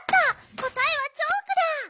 こたえはチョークだ！